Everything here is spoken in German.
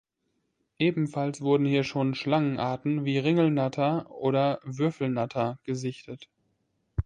Ebenfalls wurden hier schon Schlangenarten wie Ringelnatter oder Würfelnatter gesichtet.